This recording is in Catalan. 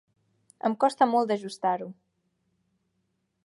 Em costa molt d'ajustar-ho